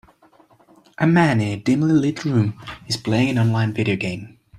A man, in a dimly lit room, is playing an online video game.